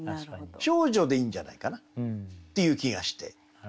「少女」でいいんじゃないかなっていう気がして。